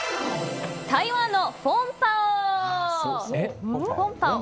台湾のフォンパオ。